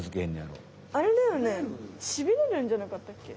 あれだよねしびれるんじゃなかったっけ？